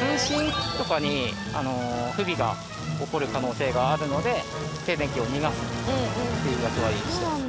通信機器とかに不備が起こる可能性があるので静電気を逃がすっていう役割してます。